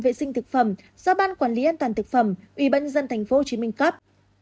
vệ sinh thực phẩm do ban quản lý an toàn thực phẩm ủy ban dân tp hcm cấp